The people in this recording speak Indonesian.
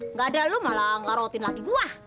nggak ada lu malah ngarotin lagi gua